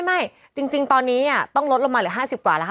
ไม่จริงตอนนี้ต้องลดลงมาเหลือ๕๐กว่าแล้วค่ะ